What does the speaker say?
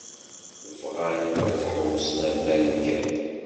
Bɣan ad ḥewwsen ar Marikan.